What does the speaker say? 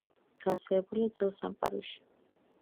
გავრცელებულია ძველ სამყაროში.